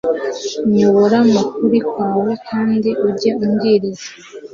nyobora mu kuri kwawe kandi ujye umbwiriza